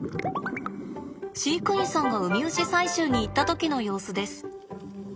飼育員さんがウミウシ採集に行った時の様子です。